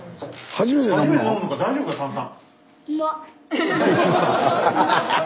初めて飲むのか大丈夫か炭酸。